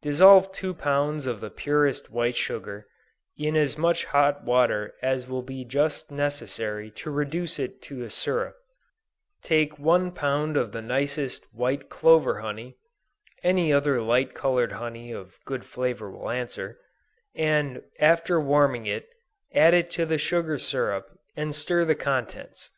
Dissolve two pounds of the purest white sugar, in as much hot water as will be just necessary to reduce it to a syrup; take one pound of the nicest white clover honey, (any other light colored honey of good flavor will answer,) and after warming it, add it to the sugar syrup, and stir the contents.